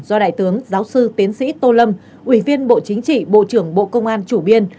do đại tướng giáo sư tiến sĩ tô lâm ủy viên bộ chính trị bộ trưởng bộ công an chủ biên